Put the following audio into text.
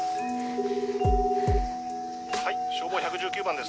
はい消防１１９番です。